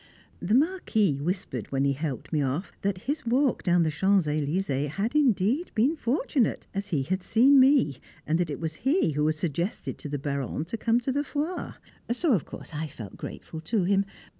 The Marquis whispered when he helped me off that his walk down the Champs Elysées had indeed been fortunate, as he had seen me, and that it was he who had suggested to the Baronne to come to the Foire. So of course I felt grateful to him.